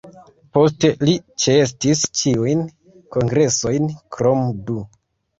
Poste li ĉeestis ĉiujn kongresojn, krom du.